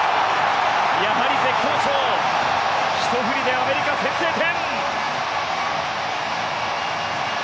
やはり絶好調ひと振りでアメリカ先制点！